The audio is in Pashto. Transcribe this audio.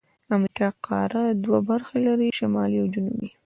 د امریکا قاره دوه برخې لري: شمالي او جنوبي.